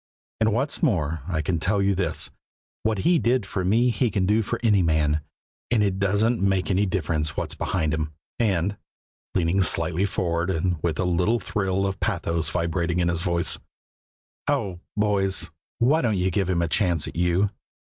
And, what's more, I can tell you this: what He did for me He can do for any man, and it doesn't make any difference what's behind him, and" leaning slightly forward, and with a little thrill of pathos vibrating in his voice "oh, boys, why don't you give Him a chance at you?